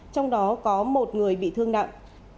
trong đó có một người bị thương nặng